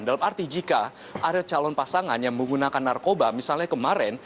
dalam arti jika ada calon pasangan yang menggunakan narkoba misalnya kemarin